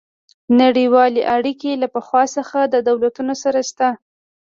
نړیوالې اړیکې له پخوا څخه د دولتونو سره شته